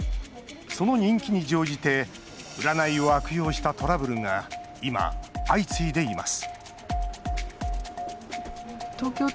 その人気に乗じて占いを悪用したトラブルが今、相次いでいます